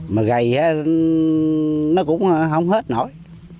mà gầy nó cũng không hết nổi